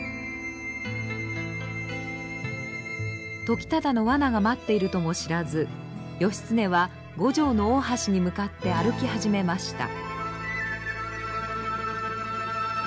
時忠のわなが待っているとも知らず義経は五条の大橋に向かって歩き始めました。